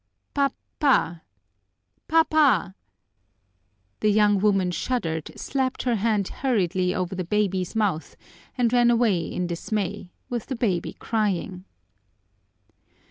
Papa! Papa!" The young woman shuddered, slapped her hand hurriedly over the baby's mouth and ran away in dismay, with the baby crying.